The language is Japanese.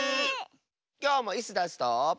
きょうもイスダスと。